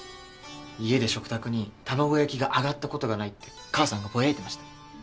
家で食卓に卵焼きが上がったことがないって母さんがぼやいてました。